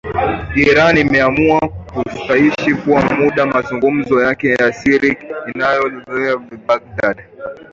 Iran imeamua kusitisha kwa muda mazungumzo yake ya siri yaliyofanywa Baghdad.